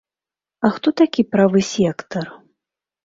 А хто такі правы сектар?